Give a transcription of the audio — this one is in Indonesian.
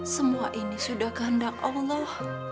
semua ini sudah kehendak allah